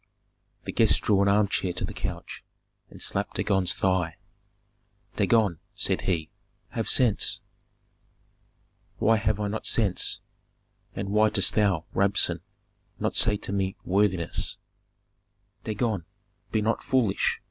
The guest drew an armchair to the couch, and slapped Dagon's thigh. "Dagon," said he, "have sense." "Why have I not sense, and why dost thou, Rabsun, not say to me worthiness?" "Dagon, be not foolish!"